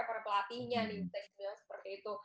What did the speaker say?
para pelatihnya nih tekniknya seperti itu